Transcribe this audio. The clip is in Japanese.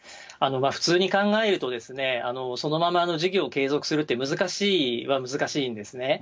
普通に考えると、そのまま事業を継続するって難しいは難しいんですね。